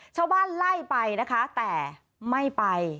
ชาวบ้านไล่ไปนะคะแต่ไม่ไป